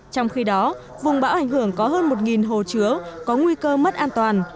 trong khi đó vùng bão ảnh hưởng có hơn một hồ chứa có nguy cơ mất an toàn